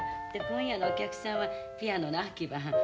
今夜のお客さんはピアノの秋葉はん